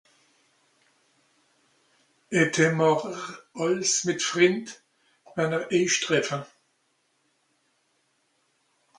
was mache ihr mit Friend wenn ihr eich treffe